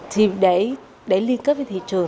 thì để liên kết với doanh nghiệp này